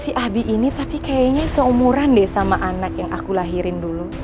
si abi ini tapi kayaknya seumuran deh sama anak yang aku lahirin dulu